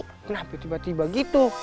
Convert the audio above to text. kenapa tiba tiba gitu